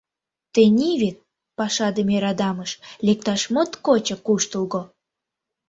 Тений вет пашадыме радамыш лекташ моткочак куштылго.